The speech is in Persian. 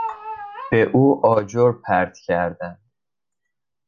به او آجر پرت کردند.